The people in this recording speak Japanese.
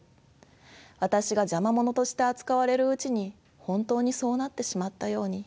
私が邪魔者として扱われるうちに本当にそうなってしまったように。